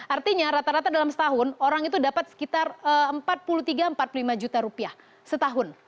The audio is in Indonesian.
artinya rata rata dalam setahun orang itu dapat sekitar empat puluh tiga empat puluh lima juta rupiah setahun